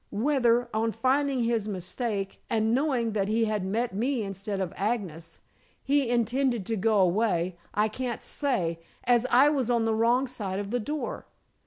Whether, on finding his mistake, and knowing that he had met me instead of Agnes, he intended to go away, I can't say, as I was on the wrong side of the door.